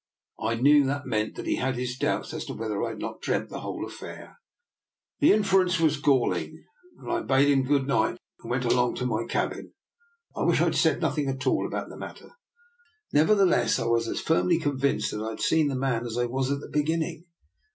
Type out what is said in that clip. I knew that meant that he had his doubts as to whether I had not dreamt the whole affair. The inference was galling, and when I DR. NIKOLA'S EXPERIMENT. 103 bade him good night and went along to my cabin, I wished I had said nothing at all about the matter. Nevertheless, I was as firmly convinced that I had seen the man as I was at the beginning.